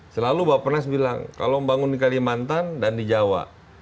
selalu bapak penas bilang kalau membangun di kalimantan dan di jawa